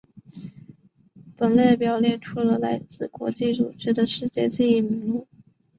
本列表列出了来自国际组织的世界记忆名录。